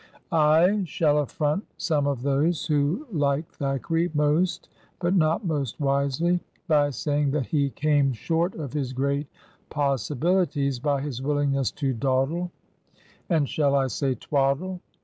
I shall affront some of those who like Thackeray most (but not most wisely) by saying that he came short of his great possibilities by his willingness to dawdle (and shall I say twaddle?)